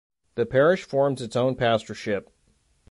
The parish forms its own pastorship.